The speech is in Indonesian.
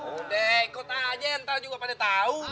udah ikut aja entah juga pada tau